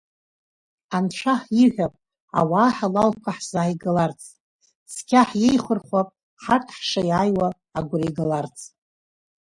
Анцәа ҳиҳәап, ауаа ҳалалқәа ҳзааигаларц, цқьа ҳиеихырхәап, ҳарҭ ҳшаиааиуа агәра игаларц…